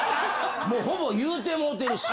ほぼ言うてもうてるし。